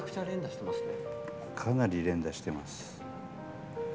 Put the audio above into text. かなり連打してます。